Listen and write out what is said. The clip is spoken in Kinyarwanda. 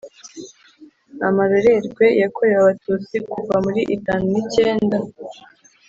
amarorerwe yakorewe abatutsi kuva muri itanu n’icyenda